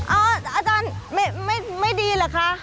อาจารย์ไม่ดีเหรอคะ